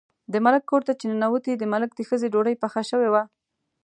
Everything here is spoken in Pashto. د ملک کور ته چې ننوتې، د ملک د ښځې ډوډۍ پخه شوې وه.